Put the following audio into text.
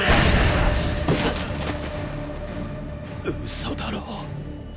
嘘だろ。